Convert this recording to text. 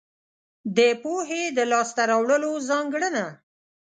د پوهې د لاس ته راوړلو ځانګړنه.